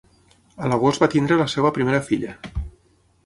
A l'agost va tenir la seva primera filla.